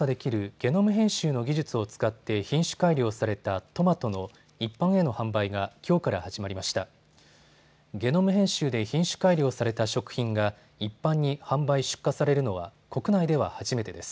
ゲノム編集で品種改良された食品が一般に販売、出荷されるのは国内では初めてです。